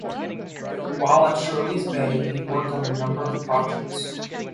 While at Shirley's Bay he worked on a number of projects.